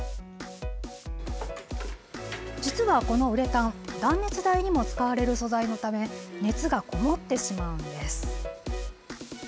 実は、このウレタン断熱材にも使われる素材のため熱がこもってしまうんです。